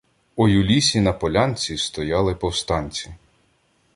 Ой у лісі, на полянці Стояли повстанці